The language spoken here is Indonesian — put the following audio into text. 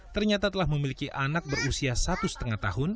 ternyata telah memiliki anak berusia satu lima tahun